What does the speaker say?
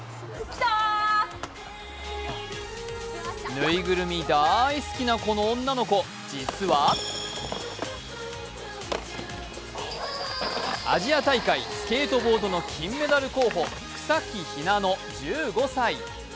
ぬいぐるみ大好きなこの女の子実はアジア大会スケートボードの金メダル候補草木ひなの１５歳。